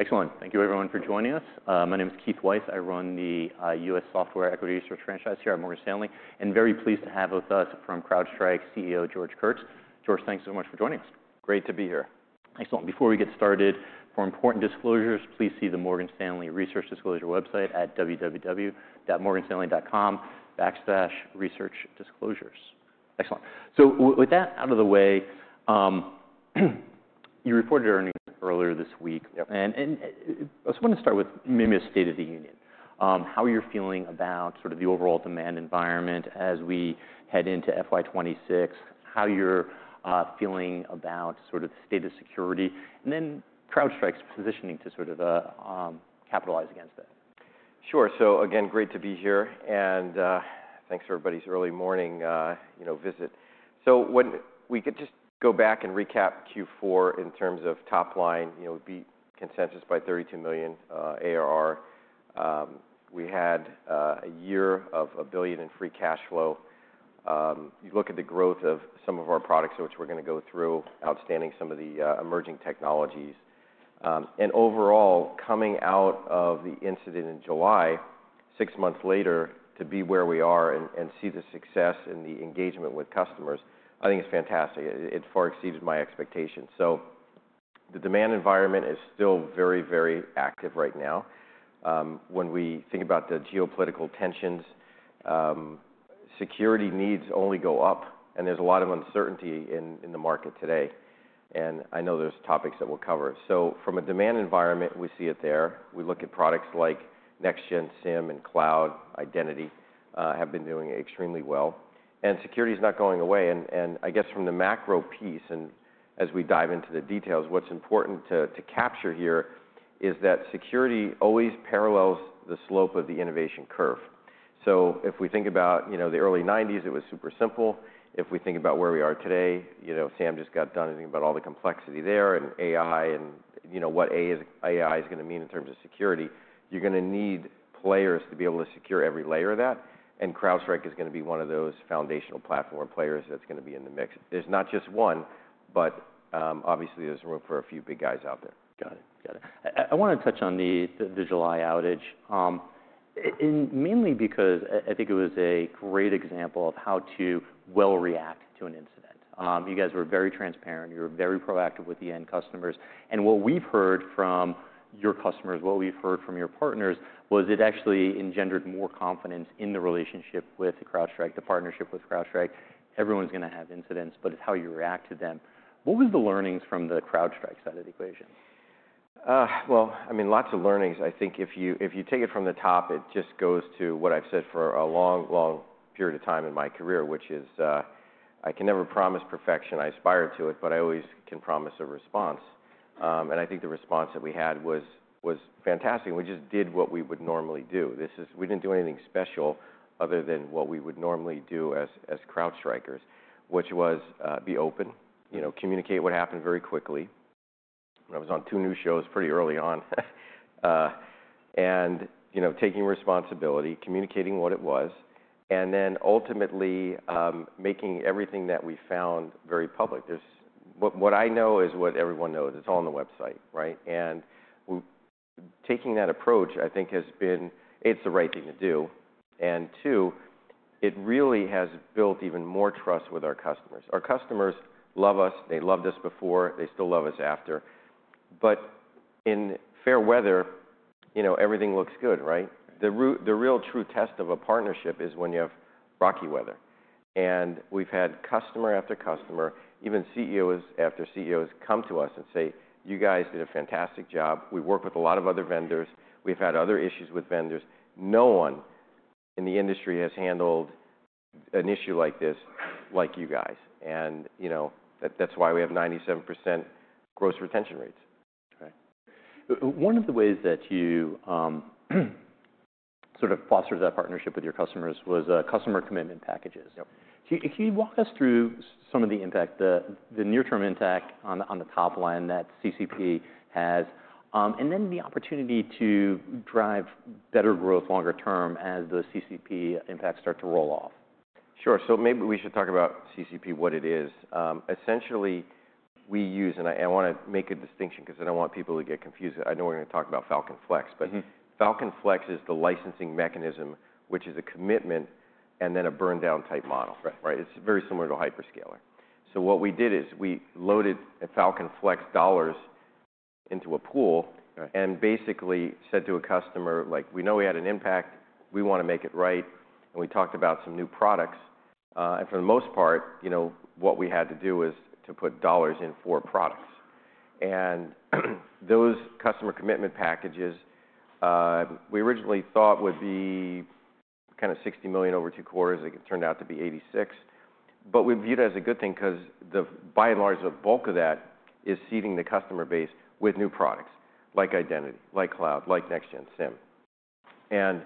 Excellent. Thank you, everyone, for joining us. My name is Keith Weiss. I run the US Software Equity Research franchise here at Morgan Stanley, and I'm very pleased to have with us from CrowdStrike CEO George Kurtz. George, thanks so much for joining us. Great to be here. Excellent. Before we get started, for important disclosures, please see the Morgan Stanley Research Disclosure website at www.morganstanley.com/researchdisclosures. Excellent. With that out of the way, you reported earnings earlier this week. Yep. I just wanna start with maybe a state of the union. How are you feeling about sort of the overall demand environment as we head into FY 2026? How are you feeling about sort of the state of security? And then CrowdStrike's positioning to sort of capitalize against that. Sure. So again, great to be here and thanks for everybody's early morning, you know, visit. So when we could just go back and recap Q4 in terms of top line, you know, beat consensus by $32 million ARR. We had a year of $1 billion in free cash flow. You look at the growth of some of our products, which we're gonna go through, outstanding some of the emerging technologies. And overall, coming out of the incident in July, six months later, to be where we are and see the success and the engagement with customers, I think it's fantastic. It far exceeded my expectations. So the demand environment is still very, very active right now. When we think about the geopolitical tensions, security needs only go up, and there's a lot of uncertainty in the market today. I know there's topics that we'll cover. From a demand environment, we see it there. We look at products like Next-Gen SIEM and cloud identity, have been doing extremely well. Security's not going away. From the macro piece, as we dive into the details, what's important to capture here is that security always parallels the slope of the innovation curve. If we think about, you know, the early 1900s, it was super simple. If we think about where we are today, you know, Sam just got done thinking about all the complexity there and AI and, you know, what AI is gonna mean in terms of security. You're gonna need players to be able to secure every layer of that. CrowdStrike is gonna be one of those foundational platform players that's gonna be in the mix. There's not just one, but, obviously, there's room for a few big guys out there. Got it. I wanna touch on the July outage, mainly because I think it was a great example of how to well react to an incident. You guys were very transparent. You were very proactive with the end customers. And what we've heard from your customers, what we've heard from your partners, was it actually engendered more confidence in the relationship with CrowdStrike, the partnership with CrowdStrike. Everyone's gonna have incidents, but it's how you react to them. What was the learnings from the CrowdStrike side of the equation? Well, I mean, lots of learnings. I think if you take it from the top, it just goes to what I've said for a long, long period of time in my career, which is, I can never promise perfection. I aspire to it, but I always can promise a response. And I think the response that we had was fantastic. And we just did what we would normally do. We didn't do anything special other than what we would normally do as CrowdStrikers, which was, be open, you know, communicate what happened very quickly. I was on two news shows pretty early on. And, you know, taking responsibility, communicating what it was, and then ultimately, making everything that we found very public. What I know is what everyone knows. It's all on the website, right? And we're taking that approach, I think, has been the right thing to do. And two, it really has built even more trust with our customers. Our customers love us. They loved us before. They still love us after. But in fair weather, you know, everything looks good, right? The real, the real true test of a partnership is when you have rocky weather. And we've had customer after customer, even CEOs after CEOs come to us and say, "You guys did a fantastic job. We've worked with a lot of other vendors. We've had other issues with vendors. No one in the industry has handled an issue like this, like you guys." And, you know, that, that's why we have 97% gross retention rates. Okay. One of the ways that you sort of fostered that partnership with your customers was Customer Commitment Packages. Yep. Can you walk us through some of the impact, the near-term impact on the top line that CCP has, and then the opportunity to drive better growth longer term as the CCP impacts start to roll off? Sure. So maybe we should talk about CCP, what it is. Essentially, we use, and I wanna make a distinction 'cause I don't want people to get confused. I know we're gonna talk about Falcon Flex, but Falcon Flex is the licensing mechanism, which is a commitment and then a burn-down type model. Right? It's very similar to a hyperscaler. So what we did is we loaded Falcon Flex dollars into a pool and basically said to a customer, like, "We know we had an impact. We wanna make it right." And we talked about some new products. And for the most part, you know, what we had to do is to put dollars in for products. And those Customer Commitment Packages, we originally thought would be kinda $60 million over two quarters. It turned out to be $86 million. But we viewed it as a good thing 'cause, by and large, the bulk of that is seeding the customer base with new products like identity, like cloud, like Next-Gen SIEM. And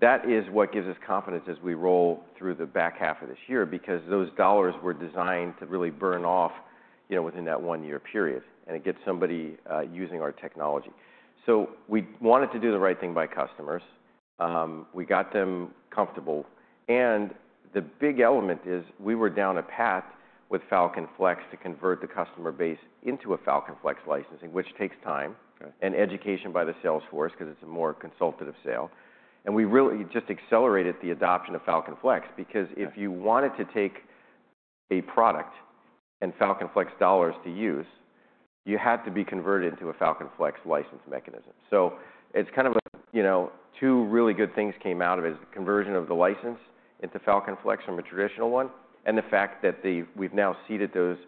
that is what gives us confidence as we roll through the back half of this year because those dollars were designed to really burn off, you know, within that one-year period and get somebody using our technology. So we wanted to do the right thing by customers. We got them comfortable. The big element is we were down a path with Falcon Flex to convert the customer base into a Falcon Flex licensing, which takes time. Right. Education by the sales force 'cause it's a more consultative sale. We really just accelerated the adoption of Falcon Flex because if you wanted to take a product and Falcon Flex dollars to use, you had to be converted into a Falcon Flex license mechanism. It's kind of a, you know, two really good things came out of it: is the conversion of the license into Falcon Flex from a traditional one and the fact that we've now seeded those,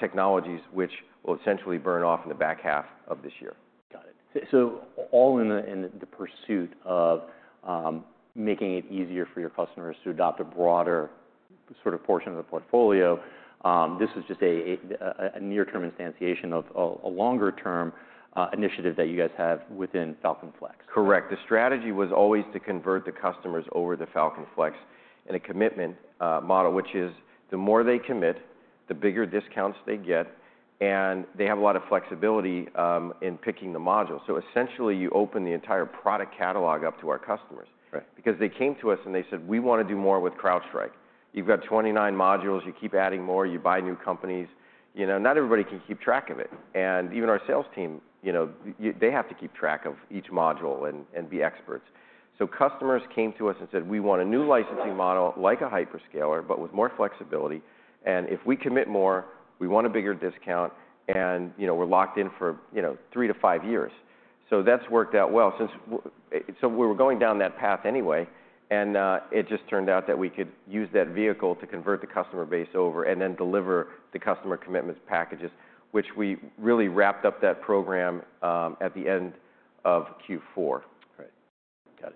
technologies, which will essentially burn off in the back half of this year. Got it. So all in the pursuit of making it easier for your customers to adopt a broader sort of portion of the portfolio, this was just a near-term instantiation of a longer-term initiative that you guys have within Falcon Flex. Correct. The strategy was always to convert the customers over to Falcon Flex in a commitment model, which is the more they commit, the bigger discounts they get. And they have a lot of flexibility in picking the module. So essentially, you open the entire product catalog up to our customers. Right. Because they came to us and they said, "We wanna do more with CrowdStrike. You've got 29 modules. You keep adding more. You buy new companies." You know, not everybody can keep track of it. And even our sales team, you know, they have to keep track of each module and be experts. So customers came to us and said, "We want a new licensing model like a hyperscaler but with more flexibility. And if we commit more, we want a bigger discount. And, you know, we're locked in for, you know, three to five years." So that's worked out well since so we were going down that path anyway. And it just turned out that we could use that vehicle to convert the customer base over and then deliver the Customer Commitment Packages, which we really wrapped up that program at the end of Q4. Right. Got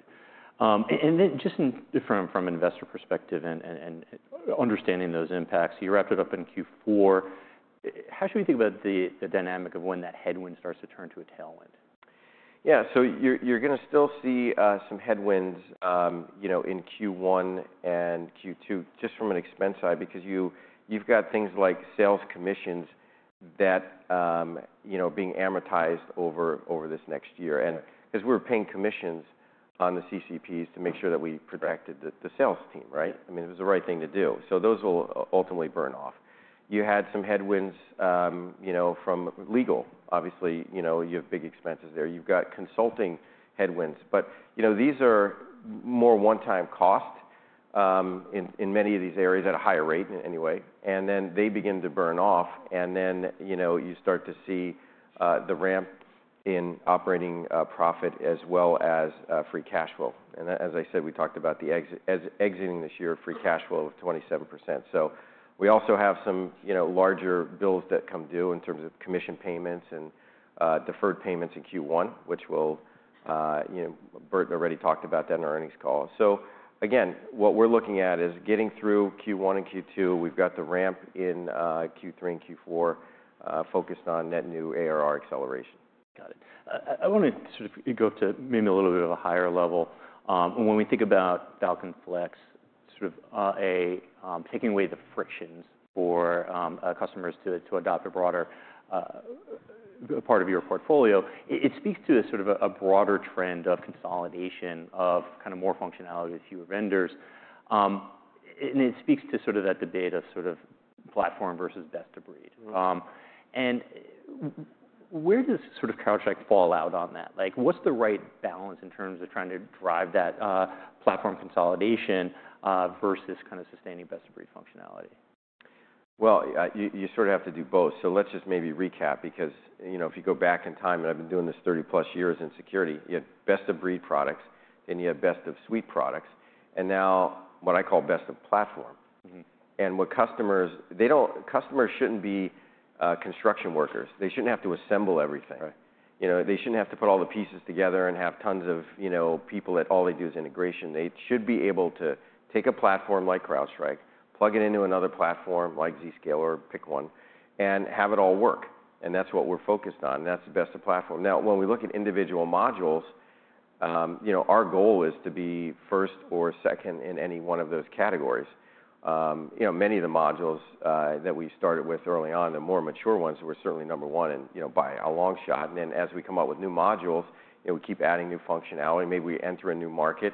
it. And then just in from an investor perspective and understanding those impacts, you wrapped it up in Q4. How should we think about the dynamic of when that headwind starts to turn to a tailwind? Yeah. So you're gonna still see some headwinds, you know, in Q1 and Q2 just from an expense side because you've got things like sales commissions that, you know, being amortized over this next year, and 'cause we were paying commissions on the CCPs to make sure that we protected the sales team, right? I mean, it was the right thing to do. So those will ultimately burn off. You had some headwinds, you know, from legal. Obviously, you know, you have big expenses there. You've got consulting headwinds. But, you know, these are more one-time cost in many of these areas at a higher rate in any way. And then they begin to burn off. And then, you know, you start to see the ramp in operating profit as well as free cash flow. And as I said, we talked about the exit as exiting this year of free cash flow of 27%. So we also have some, you know, larger bills that come due in terms of commission payments and deferred payments in Q1, which will, you know, Burt already talked about that in our earnings call. So again, what we're looking at is getting through Q1 and Q2. We've got the ramp in Q3 and Q4, focused on net new ARR acceleration. Got it. I wanna sort of go to maybe a little bit of a higher level. When we think about Falcon Flex, sort of taking away the frictions for customers to adopt a broader part of your portfolio, it speaks to a sort of a broader trend of consolidation of kinda more functionality with fewer vendors. And it speaks to sort of that debate of sort of platform versus best of breed. And where does sort of CrowdStrike fall out on that? Like, what's the right balance in terms of trying to drive that platform consolidation versus kinda sustaining best of breed functionality? Well, you sort of have to do both. So let's just maybe recap because, you know, if you go back in time, and I've been doing this 30+ years in security, you had best of breed products, then you had best of suite products, and now what I call best of platform. Customers shouldn't be construction workers. They shouldn't have to assemble everything. Right. You know, they shouldn't have to put all the pieces together and have tons of, you know, people that all they do is integration. They should be able to take a platform like CrowdStrike, plug it into another platform like Zscaler or pick one, and have it all work. And that's what we're focused on. And that's the best of platform. Now, when we look at individual modules, you know, our goal is to be first or second in any one of those categories. You know, many of the modules that we started with early on, the more mature ones were certainly number one and, you know, by a long shot. And then as we come up with new modules, you know, we keep adding new functionality. Maybe we enter a new market,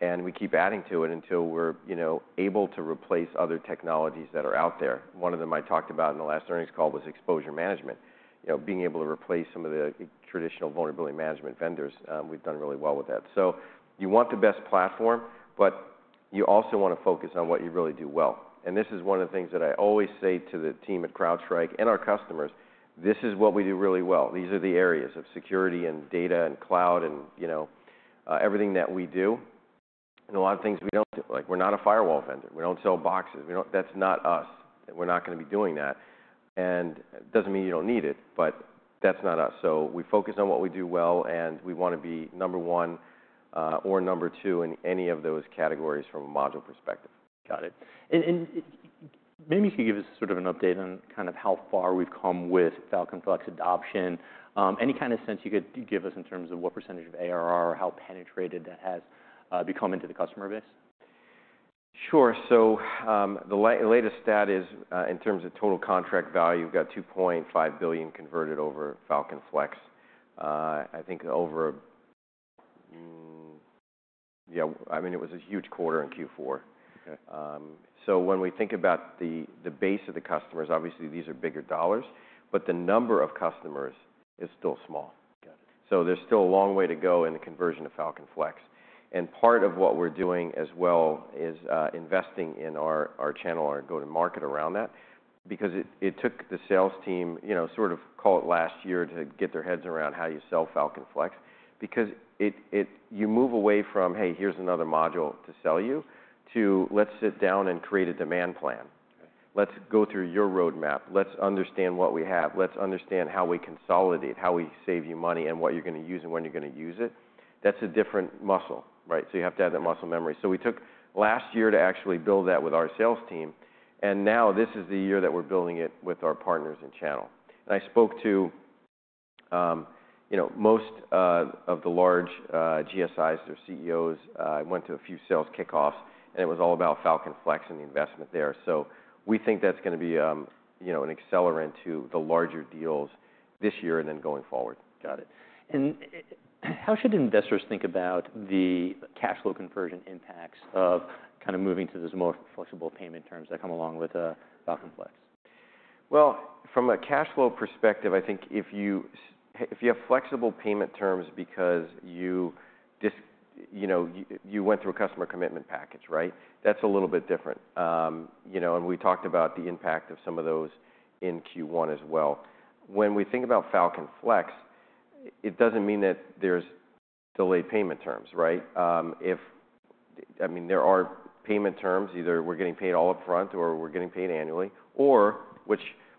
and we keep adding to it until we're, you know, able to replace other technologies that are out there. One of them I talked about in the last earnings call was exposure management, you know, being able to replace some of the traditional vulnerability management vendors. We've done really well with that. So you want the best platform, but you also wanna focus on what you really do well. And this is one of the things that I always say to the team at CrowdStrike and our customers, "This is what we do really well. These are the areas of security and data and cloud and, you know, everything that we do." And a lot of things we don't do, like, we're not a firewall vendor. We don't sell boxes. We don't, that's not us. We're not gonna be doing that. And it doesn't mean you don't need it, but that's not us. So we focus on what we do well, and we wanna be number one, or number two in any of those categories from a module perspective. Got it. And maybe you could give us sort of an update on kind of how far we've come with Falcon Flex adoption, any kinda sense you could give us in terms of what percentage of ARR or how penetrated that has become into the customer base? Sure. So, the latest stat is, in terms of total contract value, we've got $2.5 billion converted over Falcon Flex. I think, yeah, I mean, it was a huge quarter in Q4. When we think about the base of the customers, obviously these are bigger dollars, but the number of customers is still small. Got it. There's still a long way to go in the conversion to Falcon Flex. Part of what we're doing as well is investing in our channel, our go-to-market around that because it took the sales team, you know, sort of call it last year to get their heads around how you sell Falcon Flex because it you move away from, "Hey, here's another module to sell you," to, "Let's sit down and create a demand plan. Let's go through your roadmap. Let's understand what we have. Let's understand how we consolidate, how we save you money, and what you're gonna use and when you're gonna use it." That's a different muscle, right? So you have to have that muscle memory. So we took last year to actually build that with our sales team. And now this is the year that we're building it with our partners in channel. And I spoke to, you know, most of the large GSIs or CEOs. I went to a few sales kickoffs, and it was all about Falcon Flex and the investment there. So we think that's gonna be, you know, an accelerant to the larger deals this year and then going forward. Got it. And how should investors think about the cash flow conversion impacts of kinda moving to those more flexible payment terms that come along with, Falcon Flex? Well, from a cash flow perspective, I think if you have flexible payment terms because you did, you know, you went through a Customer Commitment Package, right? That's a little bit different. You know, and we talked about the impact of some of those in Q1 as well. When we think about Falcon Flex, it doesn't mean that there's delayed payment terms, right? I mean, there are payment terms, either we're getting paid all upfront or we're getting paid annually, or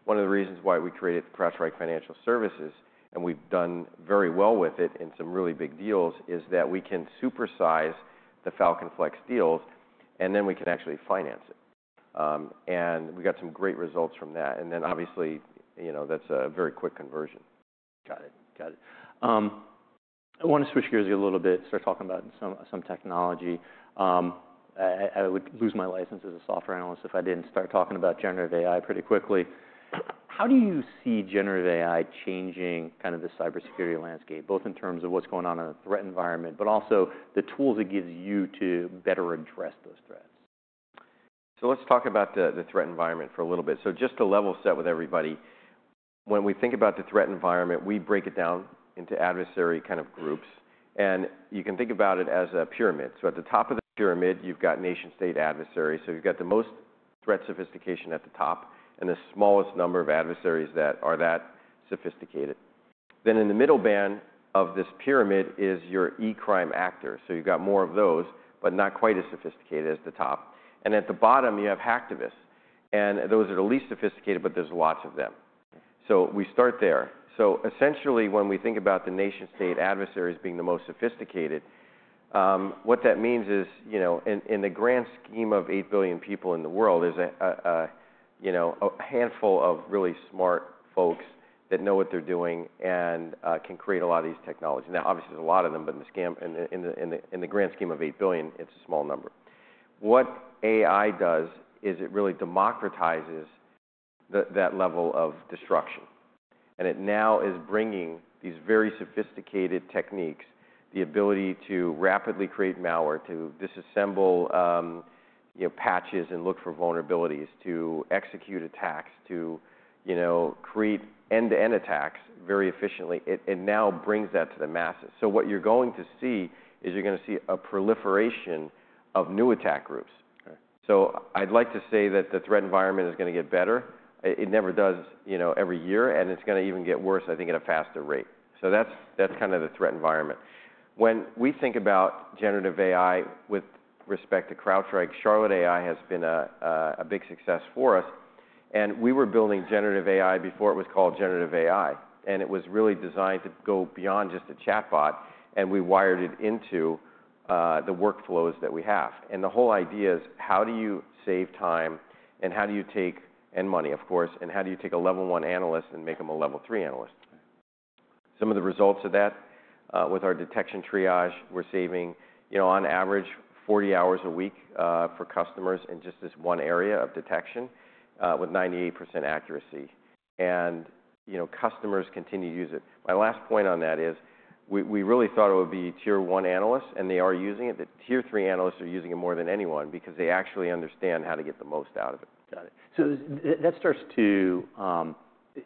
one of the reasons why we created CrowdStrike Financial Services and we've done very well with it in some really big deals is that we can supersize the Falcon Flex deals, and then we can actually finance it. And we got some great results from that. Then obviously, you know, that's a very quick conversion. Got it. Got it. I wanna switch gears a little bit, start talking about some technology. I would lose my license as a software analyst if I didn't start talking about generative AI pretty quickly. How do you see generative AI changing kinda the cybersecurity landscape, both in terms of what's going on in the threat environment but also the tools it gives you to better address those threats? So let's talk about the threat environment for a little bit. So just to level set with everybody, when we think about the threat environment, we break it down into adversary kind of groups. And you can think about it as a pyramid. So at the top of the pyramid, you've got nation-state adversaries. So you've got the most threat sophistication at the top and the smallest number of adversaries that are that sophisticated. Then in the middle band of this pyramid is your eCrime actors. So you've got more of those but not quite as sophisticated as the top. And at the bottom, you have hacktivists. And those are the least sophisticated, but there's lots of them. So we start there. So essentially, when we think about the nation-state adversaries being the most sophisticated, what that means is, you know, in the grand scheme of 8 billion people in the world, there's a you know, a handful of really smart folks that know what they're doing and can create a lot of these technologies. Now, obviously, there's a lot of them, but in the grand scheme of 8 billion, it's a small number. What AI does is it really democratizes that level of destruction. And it now is bringing these very sophisticated techniques, the ability to rapidly create malware, to disassemble, you know, patches and look for vulnerabilities, to execute attacks, to you know, create end-to-end attacks very efficiently. It now brings that to the masses. So what you're gonna see is a proliferation of new attack groups. So I'd like to say that the threat environment is gonna get better. It never does, you know, every year. And it's gonna even get worse, I think, at a faster rate. So that's kinda the threat environment. When we think about generative AI with respect to CrowdStrike, Charlotte AI has been a big success for us. And we were building generative AI before it was called generative AI. And it was really designed to go beyond just a chatbot. And we wired it into the workflows that we have. And the whole idea is how do you save time and how do you take and money, of course, and how do you take a level one analyst and make them a level three analyst? Some of the results of that, with our detection triage, we're saving, you know, on average, 40 hours a week, for customers in just this one area of detection, with 98% accuracy, and you know, customers continue to use it. My last point on that is we really thought it would be tier one analysts, and they are using it. The tier three analysts are using it more than anyone because they actually understand how to get the most out of it. Got it, so that starts to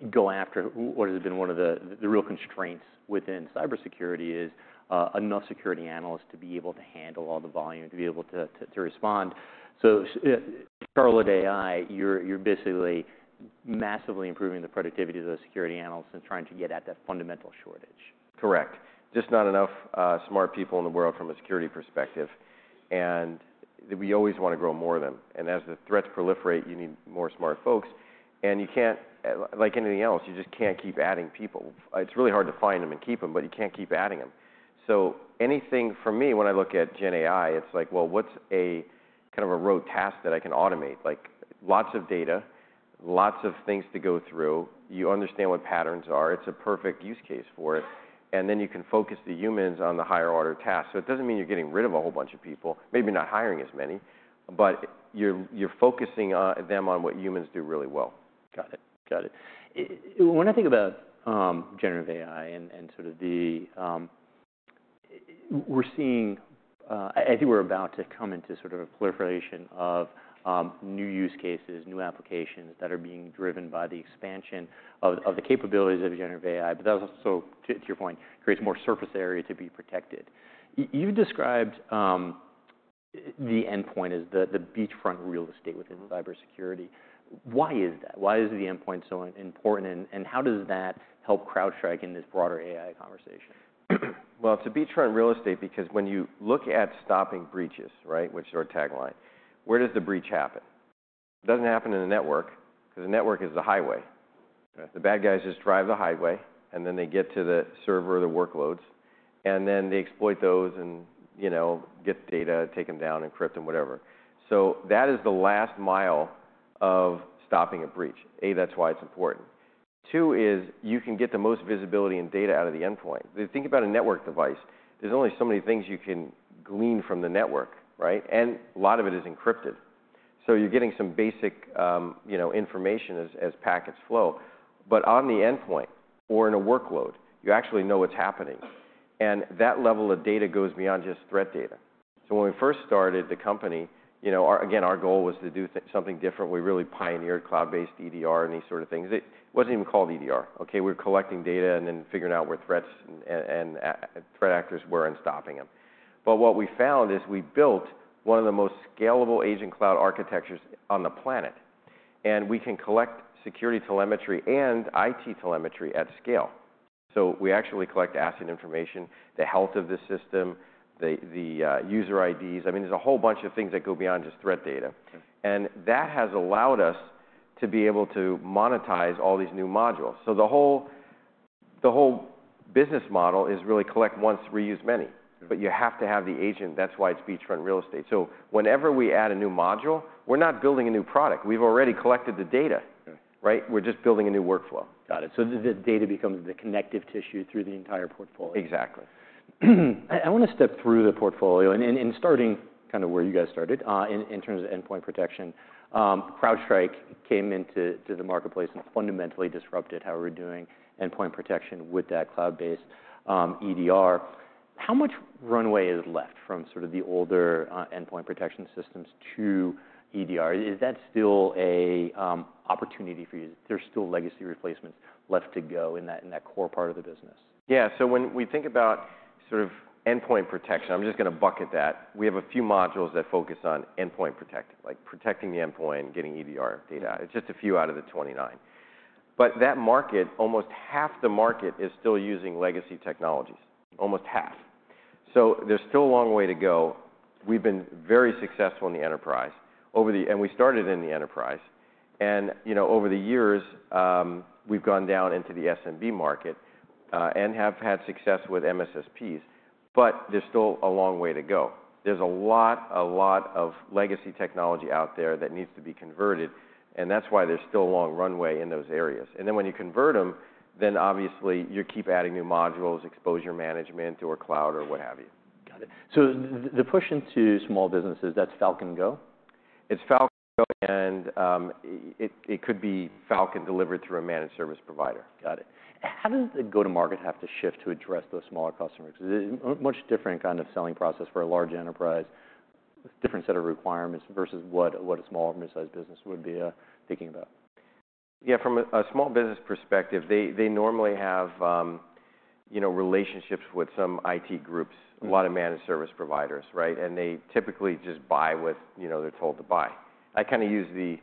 go after what has been one of the real constraints within cybersecurity is enough security analysts to be able to handle all the volume, to be able to respond, so Charlotte AI, you're basically massively improving the productivity of those security analysts and trying to get at that fundamental shortage. Correct. Just not enough smart people in the world from a security perspective. And we always wanna grow more of them. And as the threats proliferate, you need more smart folks. And you can't, like anything else, you just can't keep adding people. It's really hard to find them and keep them, but you can't keep adding them. So anything for me, when I look at GenAI, it's like, well, what's a kind of a rote task that I can automate? Like, lots of data, lots of things to go through. You understand what patterns are. It's a perfect use case for it. And then you can focus the humans on the higher-order tasks. So it doesn't mean you're getting rid of a whole bunch of people, maybe not hiring as many, but you're focusing on them on what humans do really well. Got it. When I think about generative AI and sort of the, we're seeing, I think we're about to come into sort of a proliferation of new use cases, new applications that are being driven by the expansion of the capabilities of generative AI, but that also, to your point, creates more surface area to be protected. You described the endpoint as the beachfront real estate within cybersecurity. Why is that? Why is the endpoint so important? And how does that help CrowdStrike in this broader AI conversation? It's a beachfront real estate because when you look at stopping breaches, right, which is our tagline, where does the breach happen? It doesn't happen in the network 'cause the network is the highway. The bad guys just drive the highway, and then they get to the server or the workloads, and then they exploit those and, you know, get data, take them down, encrypt them, whatever. So that is the last mile of stopping a breach. A, that's why it's important. Two is you can get the most visibility and data out of the endpoint. Think about a network device. There's only so many things you can glean from the network, right? And a lot of it is encrypted. So you're getting some basic, you know, information as packets flow. But on the endpoint or in a workload, you actually know what's happening. And that level of data goes beyond just threat data. So when we first started the company, you know, our goal was to do something different. We really pioneered cloud-based EDR and these sort of things. It wasn't even called EDR, okay? We were collecting data and then figuring out where threats and threat actors were and stopping them. But what we found is we built one of the most scalable agent cloud architectures on the planet. And we can collect security telemetry and IT telemetry at scale. So we actually collect asset information, the health of the system, the user IDs. I mean, there's a whole bunch of things that go beyond just threat data. And that has allowed us to be able to monetize all these new modules. So the whole business model is really collect once, reuse many. But you have to have the agent. That's why it's beachfront real estate. So whenever we add a new module, we're not building a new product. We've already collected the data, right? We're just building a new workflow. Got it, so the data becomes the connective tissue through the entire portfolio. Exactly. I wanna step through the portfolio and starting kinda where you guys started, in terms of endpoint protection. CrowdStrike came into the marketplace and fundamentally disrupted how we're doing endpoint protection with that cloud-based, EDR. How much runway is left from sort of the older, endpoint protection systems to EDR? Is that still a opportunity for you? There's still legacy replacements left to go in that core part of the business. Yeah. So when we think about sort of endpoint protection, I'm just gonna bucket that. We have a few modules that focus on endpoint protection, like protecting the endpoint, getting EDR data. It's just a few out of the 29. But that market, almost half the market is still using legacy technologies, almost half. So there's still a long way to go. We've been very successful in the enterprise over the, and we started in the enterprise. And, you know, over the years, we've gone down into the SMB market, and have had success with MSSPs. But there's still a long way to go. There's a lot, a lot of legacy technology out there that needs to be converted. And that's why there's still a long runway in those areas. And then when you convert them, then obviously you keep adding new modules, exposure management or cloud or what have you. Got it. So the push into small businesses, that's Falcon Go? It's Falcon Go. And it could be Falcon delivered through a managed service provider. Got it. How does the go-to-market have to shift to address those smaller customers? 'Cause it's a much different kind of selling process for a large enterprise, different set of requirements versus what, what a small or midsize business would be, thinking about? Yeah. From a small business perspective, they normally have, you know, relationships with some IT groups, a lot of managed service providers, right? And they typically just buy what, you know, they're told to buy. I kinda use the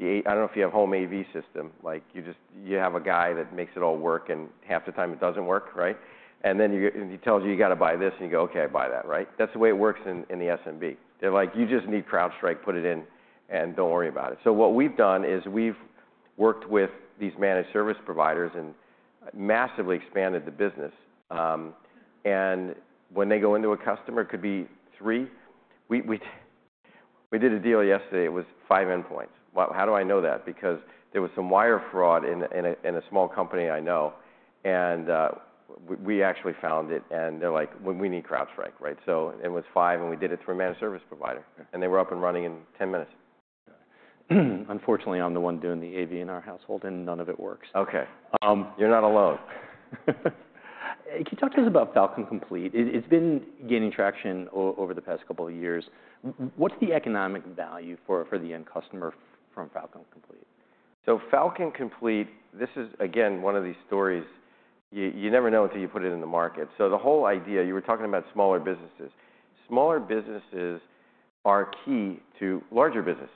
AV. I don't know if you have a home AV system. Like, you just have a guy that makes it all work, and half the time it doesn't work, right? And then he tells you, "You gotta buy this," and you go, "Okay, I buy that," right? That's the way it works in the SMB. They're like, "You just need CrowdStrike. Put it in and don't worry about it." So what we've done is we've worked with these managed service providers and massively expanded the business, and when they go into a customer, it could be three. We did a deal yesterday. It was five endpoints. Well, how do I know that? Because there was some wire fraud in a small company I know. And we actually found it. And they're like, "We need CrowdStrike," right? So it was five, and we did it through a managed service provider. And they were up and running in 10 minutes. Unfortunately, I'm the one doing the AV in our household, and none of it works. Okay. You're not alone. Can you talk to us about Falcon Complete? It, it's been gaining traction over the past couple of years. What's the economic value for the end customer from Falcon Complete? So Falcon Complete, this is, again, one of these stories. You, you never know until you put it in the market. So the whole idea, you were talking about smaller businesses. Smaller businesses are key to larger businesses.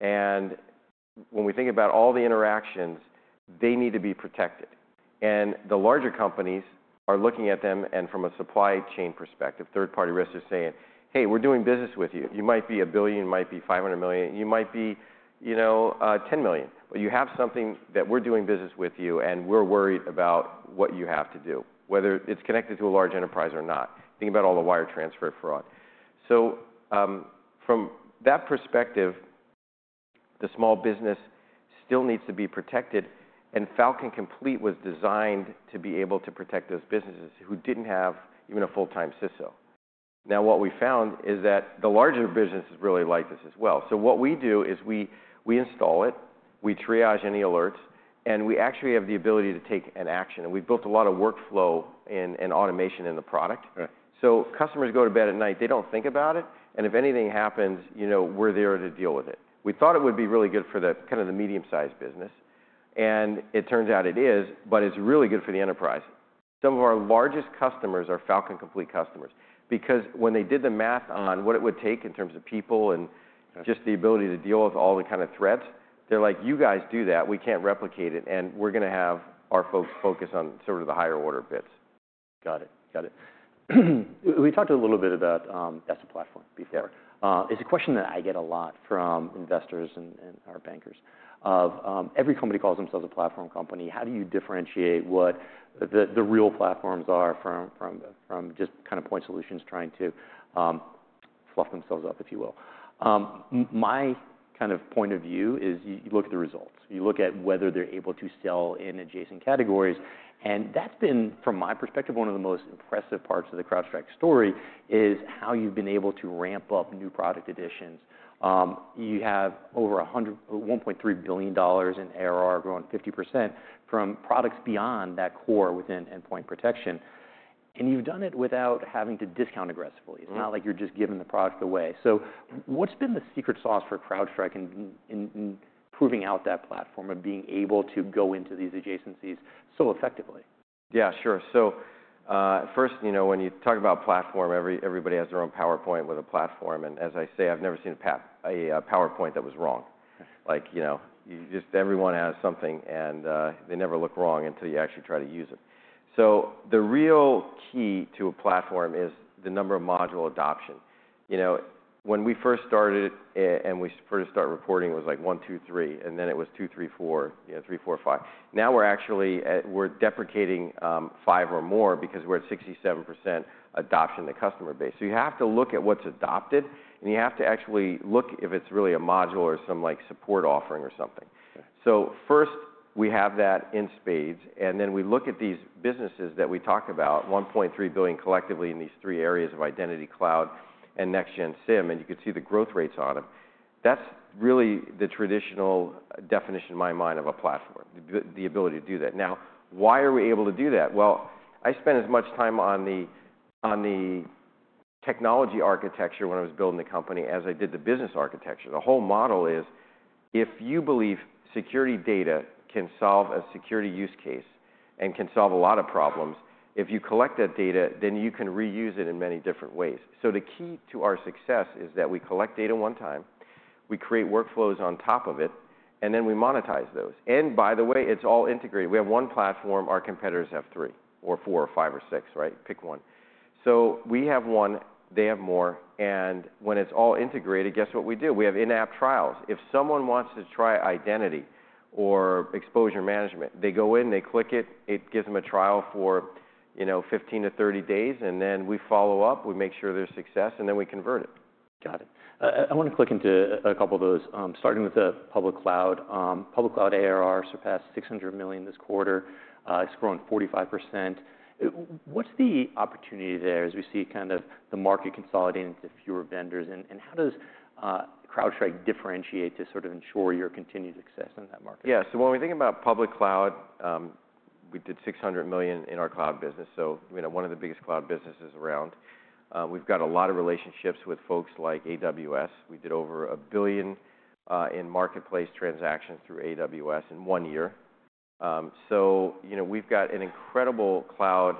And when we think about all the interactions, they need to be protected. And the larger companies are looking at them. And from a supply chain perspective, third-party risks are saying, "Hey, we're doing business with you. You might be a billion, you might be 500 million, you might be, you know, 10 million. But you have something that we're doing business with you, and we're worried about what you have to do, whether it's connected to a large enterprise or not, thinking about all the wire transfer fraud." So, from that perspective, the small business still needs to be protected. Falcon Complete was designed to be able to protect those businesses who didn't have even a full-time CISO. Now, what we found is that the larger businesses really like this as well. So what we do is we install it, we triage any alerts, and we actually have the ability to take an action. And we've built a lot of workflow and automation in the product. So customers go to bed at night, they don't think about it. And if anything happens, you know, we're there to deal with it. We thought it would be really good for the kinda the medium-sized business. And it turns out it is, but it's really good for the enterprise. Some of our largest customers are Falcon Complete customers because when they did the math on what it would take in terms of people and just the ability to deal with all the kinda threats, they're like, "You guys do that. We can't replicate it. And we're gonna have our folks focus on sort of the higher-order bits. Got it. Got it. We talked a little bit about, that's a platform before. It's a question that I get a lot from investors and our bankers. Every company calls themselves a platform company. How do you differentiate what the real platforms are from just kinda point solutions trying to fluff themselves up, if you will? My kind of point of view is you look at the results. You look at whether they're able to sell in adjacent categories. And that's been, from my perspective, one of the most impressive parts of the CrowdStrike story is how you've been able to ramp up new product additions. You have over 100, $1.3 billion in ARR growing 50% from products beyond that core within endpoint protection. And you've done it without having to discount aggressively. It's not like you're just giving the product away. So what's been the secret sauce for CrowdStrike in proving out that platform of being able to go into these adjacencies so effectively? Yeah, sure. So first, you know, when you talk about platform, everybody has their own PowerPoint with a platform. And as I say, I've never seen a PowerPoint that was wrong. Like, you know, you just everyone has something, and they never look wrong until you actually try to use it. So the real key to a platform is the number of module adoption. You know, when we first started it, and we first started reporting, it was like one, two, three. And then it was two, three, four, you know, three, four, five. Now we're actually deprecating five or more because we're at 67% adoption in the customer base. So you have to look at what's adopted, and you have to actually look if it's really a module or something like a support offering or something. So first, we have that in spades. Then we look at these businesses that we talk about, $1.3 billion collectively in these three areas of identity, cloud, and Next-Gen SIEM. You could see the growth rates on them. That's really the traditional definition in my mind of a platform, the ability to do that. Now, why are we able to do that? I spent as much time on the technology architecture when I was building the company as I did the business architecture. The whole model is if you believe security data can solve a security use case and can solve a lot of problems, if you collect that data, then you can reuse it in many different ways. So the key to our success is that we collect data one time, we create workflows on top of it, and then we monetize those. By the way, it's all integrated. We have one platform. Our competitors have three or four or five or six, right? Pick one. So we have one, they have more. And when it's all integrated, guess what we do? We have in-app trials. If someone wants to try identity or exposure management, they go in, they click it, it gives them a trial for, you know, 15-30 days. And then we follow up, we make sure there's success, and then we convert it. Got it. I wanna click into a couple of those, starting with the public cloud. Public cloud ARR surpassed $600 million this quarter. It's grown 45%. What's the opportunity there as we see kind of the market consolidating to fewer vendors? And how does CrowdStrike differentiate to sort of ensure your continued success in that market? Yeah. So when we think about public cloud, we did $600 million in our cloud business. So, you know, one of the biggest cloud businesses around. We've got a lot of relationships with folks like AWS. We did over $1 billion in marketplace transactions through AWS in one year. So, you know, we've got an incredible cloud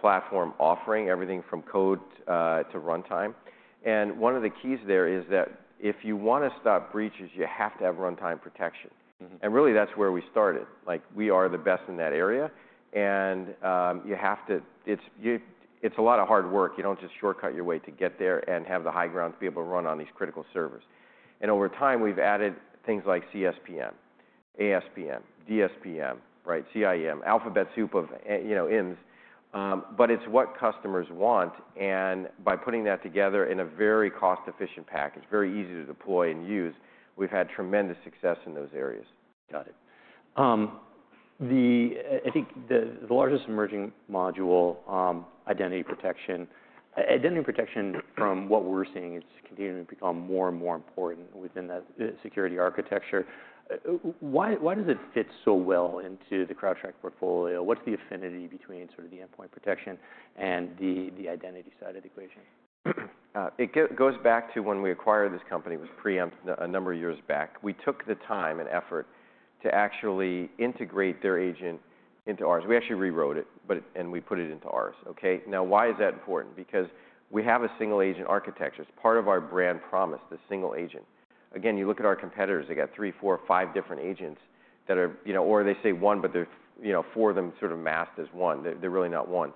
platform offering everything from code to runtime. And one of the keys there is that if you wanna stop breaches, you have to have runtime protection. And really, that's where we started. Like, we are the best in that area. And you have to. It's a lot of hard work. You don't just shortcut your way to get there and have the high ground to be able to run on these critical servers. And over time, we've added things like CSPM, ASPM, DSPM, right? CIEM, alphabet soup of, you know, IAMs. But it's what customers want, and by putting that together in a very cost-efficient package, very easy to deploy and use, we've had tremendous success in those areas. Got it. I think the largest emerging module, identity protection, from what we're seeing, it's continuing to become more and more important within that security architecture. Why does it fit so well into the CrowdStrike portfolio? What's the affinity between sort of the endpoint protection and the identity side of the equation? It goes back to when we acquired this company. It was Preempt a number of years back. We took the time and effort to actually integrate their agent into ours. We actually rewrote it, but it, and we put it into ours. Okay? Now, why is that important? Because we have a single-agent architecture. It's part of our brand promise, the single agent. Again, you look at our competitors, they got three, four, five different agents that are, you know, or they say one, but they're, you know, four of them sort of masked as one. They're, they're really not one.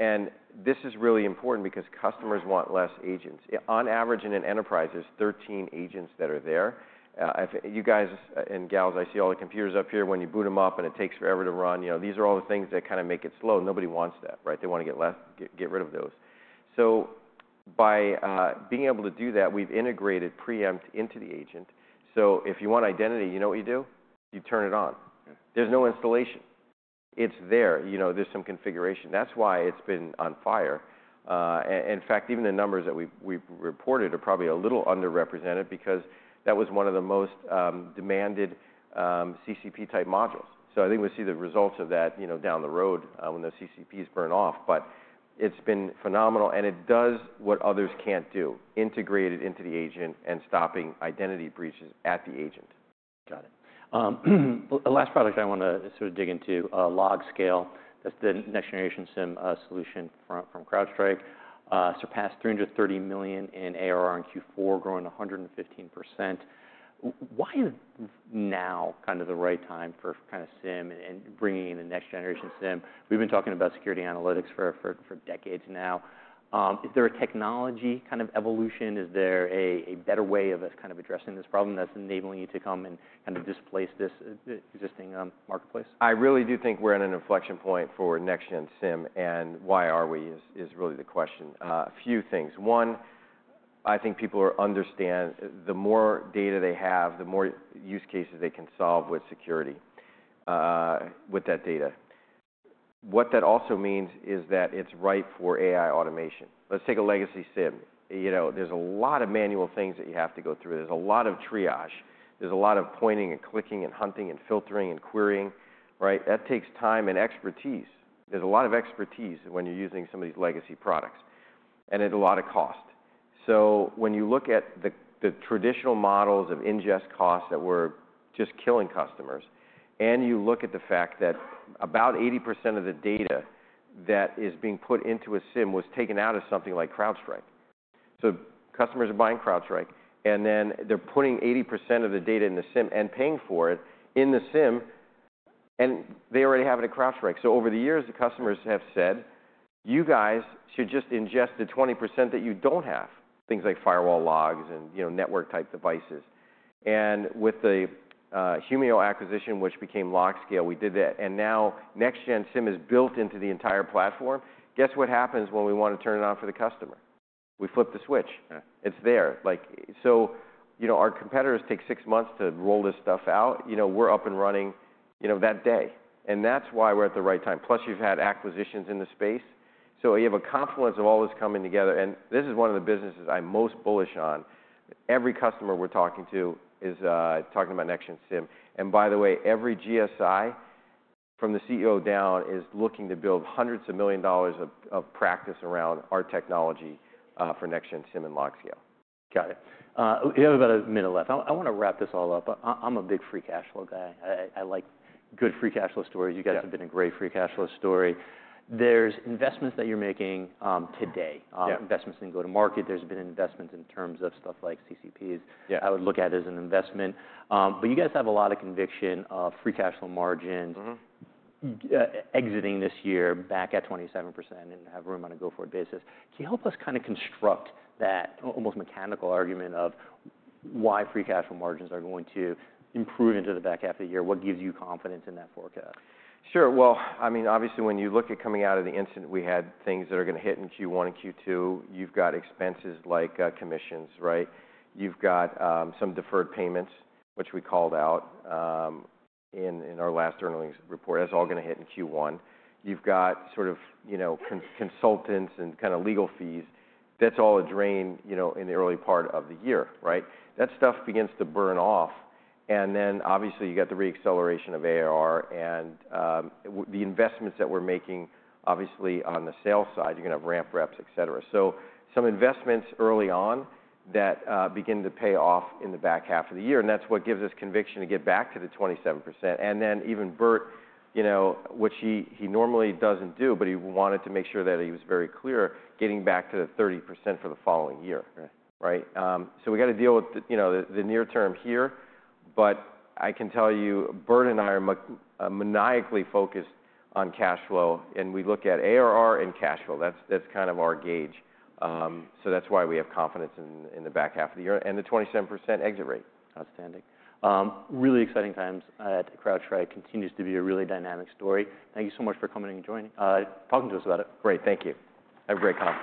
And this is really important because customers want less agents. On average, in an enterprise, there's 13 agents that are there. If you guys and gals see all the computers up here when you boot them up and it takes forever to run, you know, these are all the things that kinda make it slow. Nobody wants that, right? They wanna get less, get rid of those. So by being able to do that, we've integrated Preempt into the agent. So if you want identity, you know what you do? You turn it on. There's no installation. It's there. You know, there's some configuration. That's why it's been on fire. And in fact, even the numbers that we've reported are probably a little underrepresented because that was one of the most demanded CCP-type modules. So I think we'll see the results of that, you know, down the road, when those CCPs burn off. But it's been phenomenal. It does what others can't do, integrated into the agent and stopping identity breaches at the agent. Got it. The last product I wanna sort of dig into, LogScale, that's the next-generation SIEM solution from CrowdStrike, surpassed $330 million in ARR in Q4, growing 115%. Why is now kinda the right time for kinda SIEM and bringing in the next-generation SIEM? We've been talking about security analytics for decades now. Is there a technology kind of evolution? Is there a better way of us kind of addressing this problem that's enabling you to come and kinda displace this existing marketplace? I really do think we're at an inflection point for Next-Gen SIEM. Why we are is really the question. A few things. One, I think people understand the more data they have, the more use cases they can solve with security, with that data. What that also means is that it's right for AI automation. Let's take a legacy SIEM. You know, there's a lot of manual things that you have to go through. There's a lot of triage. There's a lot of pointing and clicking and hunting and filtering and querying, right? That takes time and expertise. There's a lot of expertise when you're using some of these legacy products. And there's a lot of cost. So when you look at the traditional models of ingest costs that were just killing customers, and you look at the fact that about 80% of the data that is being put into a SIEM was taken out of something like CrowdStrike. So customers are buying CrowdStrike, and then they're putting 80% of the data in the SIEM and paying for it in the SIEM, and they already have it at CrowdStrike. So over the years, the customers have said, "You guys should just ingest the 20% that you don't have," things like firewall logs and, you know, network-type devices. And with the Humio acquisition, which became LogScale, we did that. And now Next-Gen SIEM is built into the entire platform. Guess what happens when we wanna turn it on for the customer? We flip the switch. It's there. Like, so, you know, our competitors take six months to roll this stuff out. You know, we're up and running, you know, that day. And that's why we're at the right time. Plus, you've had acquisitions in the space. So you have a confluence of all this coming together. And this is one of the businesses I'm most bullish on. Every customer we're talking to is talking about Next-Gen SIEM. And by the way, every GSI from the CEO down is looking to build hundreds of millions of dollars of practice around our technology, for Next-Gen SIEM in LogScale. Got it. We have about a minute left. I wanna wrap this all up. I'm a big free cash flow guy. I like good free cash flow stories. You guys have been a great free cash flow story. There's investments that you're making, today. Yeah. Investments in go-to-market. There's been investments in terms of stuff like CCPs. Yeah. I would look at it as an investment. But you guys have a lot of conviction of free cash flow margins. Exiting this year back at 27% and have room on a go-forward basis. Can you help us kinda construct that almost mechanical argument of why free cash flow margins are going to improve into the back half of the year? What gives you confidence in that forecast? Sure. Well, I mean, obviously, when you look at coming out of the incident, we had things that are gonna hit in Q1 and Q2. You've got expenses like commissions, right? You've got some deferred payments, which we called out in our last quarterly report. That's all gonna hit in Q1. You've got sort of, you know, consultants and kinda legal fees. That's all a drain, you know, in the early part of the year, right? That stuff begins to burn off. And then obviously, you got the reacceleration of ARR and the investments that we're making, obviously, on the sales side, you're gonna have ramp reps, etc. So some investments early on that begin to pay off in the back half of the year. And that's what gives us conviction to get back to the 27%. And then even Burt, you know, what he normally doesn't do, but he wanted to make sure that he was very clear getting back to the 30% for the following year, right? So we gotta deal with the, you know, the near term here. But I can tell you, Burt and I are maniacally focused on cash flow. And we look at ARR and cash flow. That's kind of our gauge. So that's why we have confidence in the back half of the year and the 27% exit rate. Outstanding. Really exciting times at CrowdStrike. Continues to be a really dynamic story. Thank you so much for coming and joining, talking to us about it. Great. Thank you. Have a great conference.